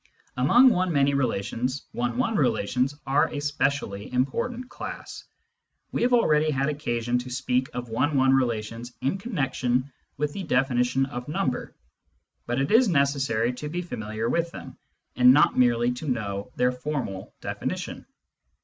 Among one many relations, one one relations are a specially important class. We have already had occasion to speak of one one relations in connection with the definition of number, but it is necessary to be familiar with them, and not merely to know their formal definition.